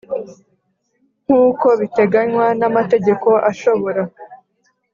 nk uko biteganywa n amategeko Ashobora